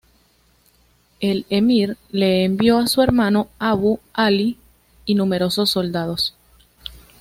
El emir le envió a su hermano Abu Ali y numerosos soldados.